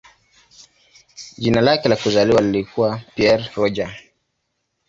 Jina lake la kuzaliwa lilikuwa "Pierre Roger".